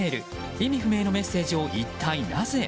意味不明のメッセージを一体なぜ。